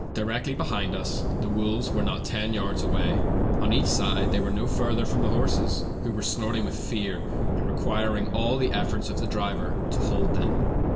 Directly behind us the wolves were not ten yards away ; on each side they were no further from the horses, who were snorting with fear, and requir ing all the efforts of the driver to hold them.